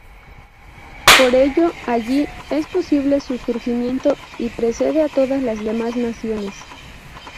Por ello, allí, es posible su surgimiento y precede a todas las demás naciones.